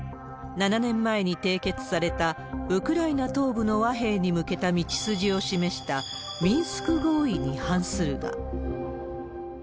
７年前に締結されたウクライナ東部の和平に向けた道筋を示したミンスク合意に違反するが。